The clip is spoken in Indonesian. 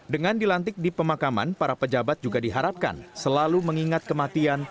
dengan dilantik di pemakaman para pejabat juga diharapkan selalu mengingat kematian